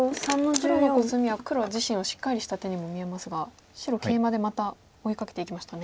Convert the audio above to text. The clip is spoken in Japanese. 黒のコスミは黒自身をしっかりした手にも見えますが白ケイマでまた追いかけていきましたね。